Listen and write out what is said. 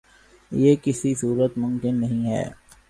یہ کسی صورت ممکن نہیں ہے